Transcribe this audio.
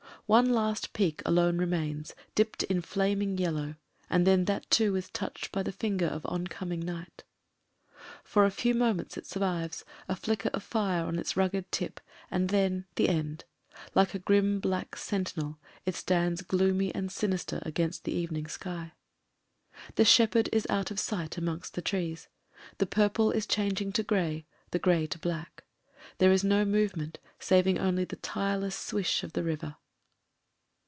One last peak alone remains, dipped in flaming yellow, and then that too is touched by the finger of oncoming night. For a few moments it survives, a flicker of fire on its rugged tip, and then — ^the end ; like a grim black sentinel it stands gloomy and sinister against the evening sky. The shepherd is out of sight amongst the trees; the purple is changing to grey, the grey to black; there is no movement saving only the tireless swish of the river.